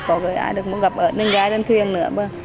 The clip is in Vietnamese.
có người ai được gặp ớt lên gái lên thuyền nữa mà